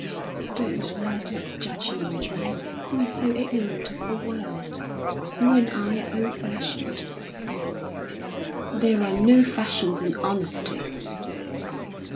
"Don't let us judge him, Richmond. We're so ignorant of the world. You and I are old fashioned." "There are no fashions in honesty."